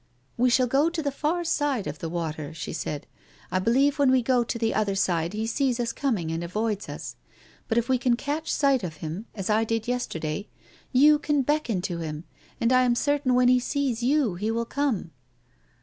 " We shall go to the far side of the water," she said. " I believe when we go to the other side he sees us coming and avoids us. But if we can catch sight of him, as I did yesterday, you can beckon to him, and I am certain when he sees you he will come."